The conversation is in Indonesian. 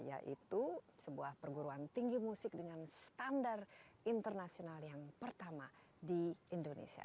yaitu sebuah perguruan tinggi musik dengan standar internasional yang pertama di indonesia